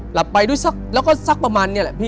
หลับไปด้วยแล้วก็สักประมาณนี้แหละพี่